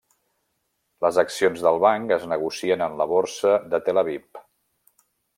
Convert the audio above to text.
Les accions del banc es negocien en la Borsa de Tel Aviv.